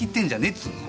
っつーの。